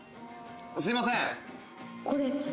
すいません。